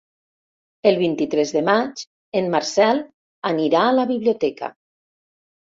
El vint-i-tres de maig en Marcel anirà a la biblioteca.